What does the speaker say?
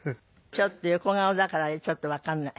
横顔だからちょっとわかんない。